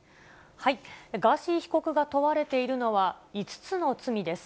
ガーシー被告が問われているのは、５つの罪です。